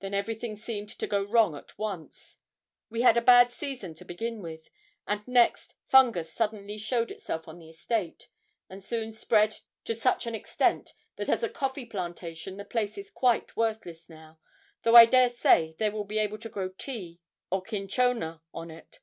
Then everything seemed to go wrong at once. We had a bad season to begin with, and next fungus suddenly showed itself on the estate, and soon spread to such an extent that as a coffee plantation the place is quite worthless now, though I dare say they will be able to grow tea or cinchona on it.